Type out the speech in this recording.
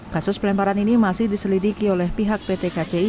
kasus pelemparan ini masih diselidiki oleh pihak pt kci